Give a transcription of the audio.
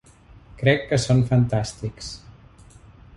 Crec que són fantàstics.